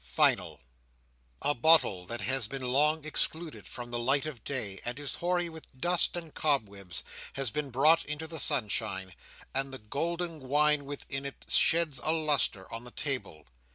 Final A bottle that has been long excluded from the light of day, and is hoary with dust and cobwebs, has been brought into the sunshine; and the golden wine within it sheds a lustre on the table.